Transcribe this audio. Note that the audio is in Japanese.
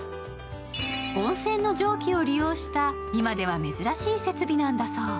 温泉の蒸気を利用した今では珍しい設備なんだそう。